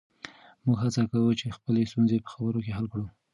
موږ هڅه کوو چې خپلې ستونزې په خبرو حل کړو.